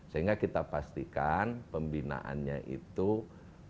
sehingga kita pastikan pembinaannya itu mereka mencari penurunan